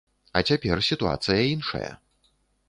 А цяпер сітуацыя іншая.